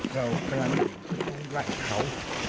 เราเติมงานไว้แหละเขา